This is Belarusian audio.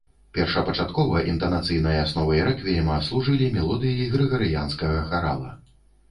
Першапачаткова інтанацыйнай асновай рэквіема служылі мелодыі грыгарыянскага харала.